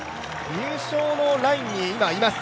入賞のラインに今、います。